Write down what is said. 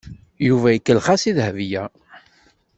Yuba ikellex-as i Dahbiya.